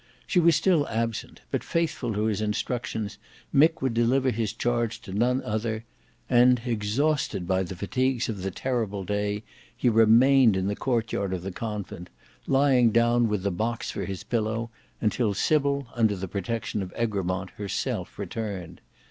She was still absent, but faithful to his instructions, Mick would deliver his charge to none other, and exhausted by the fatigues of the terrible day, he remained in the court yard of the Convent, lying down with the box for his pillow until Sybil under the protection of Egremont herself returned.